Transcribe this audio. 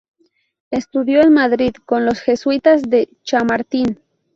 Estudió en Madrid con los Jesuitas de Chamartín.